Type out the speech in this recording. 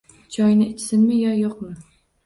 Choyni ichsinmi yo yo`qmi